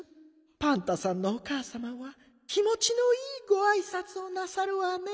パンタさんのおかあさまは気もちのいいごあいさつをなさるわね。